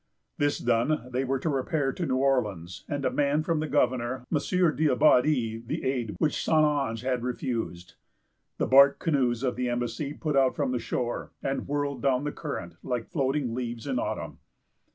This done, they were to repair to New Orleans, and demand from the governor, M. D'Abbadie, the aid which St. Ange had refused. The bark canoes of the embassy put out from the shore, and whirled down the current like floating leaves in autumn.